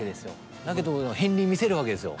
だけど片りん見せるわけですよ。